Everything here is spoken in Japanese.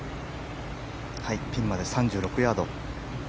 ピンまで３６ヤード。